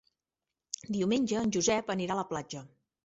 Diumenge en Josep anirà a la platja.